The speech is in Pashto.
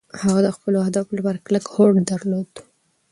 هغه د خپلو اهدافو لپاره کلک هوډ درلود.